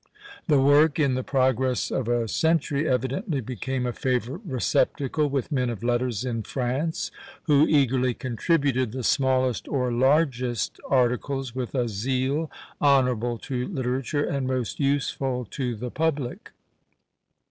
The work, in the progress of a century, evidently became a favourite receptacle with men of letters in France, who eagerly contributed the smallest or largest articles with a zeal honourable to literature and most useful to the public.